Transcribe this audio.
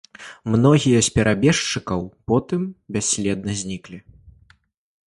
Многія з перабежчыкаў потым бясследна зніклі.